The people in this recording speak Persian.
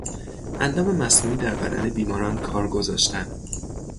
اندام مصنوعی در بدن بیماران کار گذاشتن